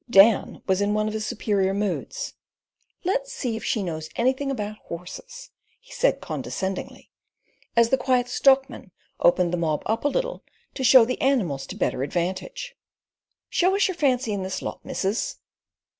Dan was in one of his superior moods. "Let's see if she knows anything about horses," he said condescendingly, as the Quiet Stockman opened the mob up a little to show the animals to better advantage. "Show us your fancy in this lot, missus."